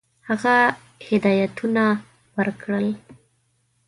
هغه هدایتونه ورکړل.